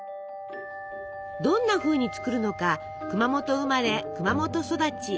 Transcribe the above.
どんなふうに作るのか熊本生まれ熊本育ち。